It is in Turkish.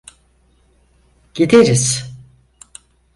Gideriz.